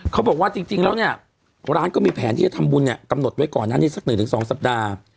เขาบอกว่าจริงแล้วเนี้ยร้านก็มีแผนที่จะทำบุญเนี้ยกำหนดไว้ก่อนนั้นในสักหนุ่องถึงสองสัปดาห์